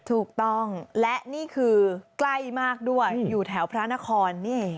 ถูกต้องและนี่คือใกล้มากด้วยอยู่แถวพระนครนี่